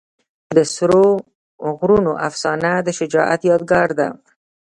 د سرو غرونو افسانه د شجاعت یادګار ده.